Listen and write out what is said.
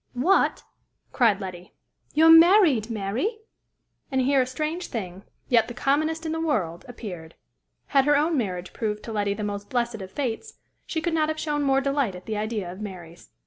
"What!" cried Letty; "you're married, Mary?" And here a strange thing, yet the commonest in the world, appeared; had her own marriage proved to Letty the most blessed of fates, she could not have shown more delight at the idea of Mary's.